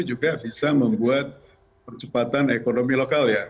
juga bisa membuat percepatan ekonomi lokal ya